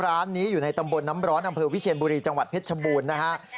ร้านนี้อยู่ในตำบลน้ำร้อนอำเภอวิเชียนบุรีจังหวัดเพชรชบูรณ์นะฮะ